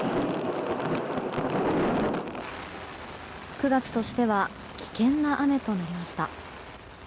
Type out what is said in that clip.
９月としては危険な雨となりました。